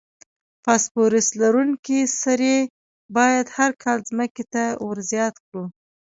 فاسفورس لرونکي سرې باید هر کال ځمکې ته ور زیات کړو.